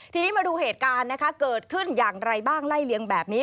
ทีนี้มาดูเหตุการณ์นะคะเกิดขึ้นอย่างไรบ้างไล่เลี้ยงแบบนี้